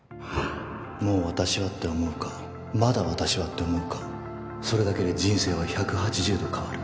もう私はって思うかまだ私はって思うかそれだけで人生は１８０度変わる。